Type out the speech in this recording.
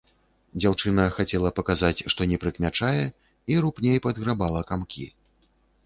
Дзяўчына хацела паказаць, што не прыкмячае, і рупней падграбала камкі.